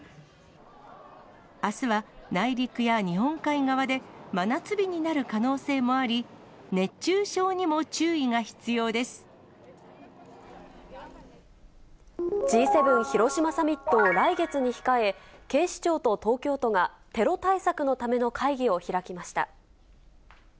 あすは内陸や日本海側で真夏日になる可能性もあり、Ｇ７広島サミットを来月に控え、警視庁と東京都が、テロ対策のための会議を開きました。